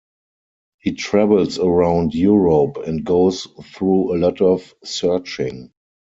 He travels around Europe and goes through a lot of searching.